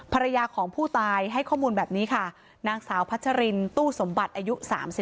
ภรรยาของผู้ตายให้ข้อมูลแบบนี้ค่ะนางสาวพัชรินตู้สมบัติอายุ๓๒